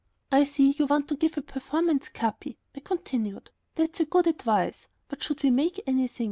"I see you want to give a performance, Capi," I continued; "that's good advice, but should we make anything?